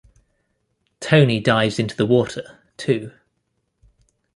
Toni dives into the water, too.